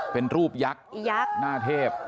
เป็นรูปยักษ์หน้าเทพ